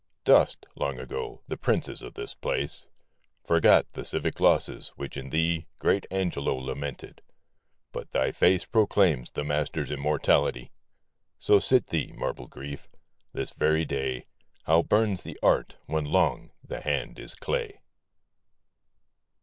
Dust, long ago, the princes of this place ; Forgot the civic losses which in thee Great Angelo lamented ; but thy face Proclaims the master's immortality! So sit thee, marble Grief ! this very day How burns the art when long the hand is clay